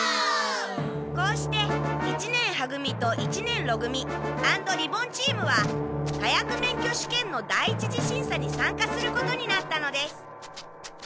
こうして一年は組と一年ろ組アンド利梵チームは火薬免許試験の第一次審査に参加することになったのです。